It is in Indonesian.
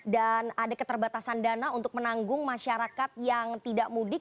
dan ada keterbatasan dana untuk menanggung masyarakat yang tidak mudik